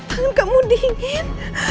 tangan kamu dingin